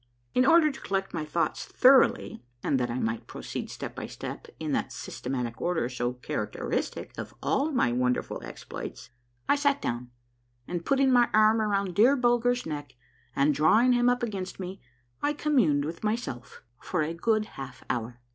In order to collect my thoughts thoroughly, and that I might proceed step by step in that systematic order so characteristic of all my wonderful exploits, I sat down, and putting my arm around dear Bulger's neck and drawing him up against me, I communed with myself for a good half hour.